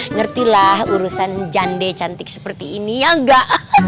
ngertilah urusan jande cantik seperti ini ya enggak